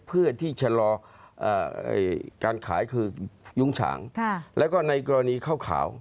เพื่อที่จะชะลอการขายคือยุ้งฉางแล้วก็ในกรณีข้าวขาว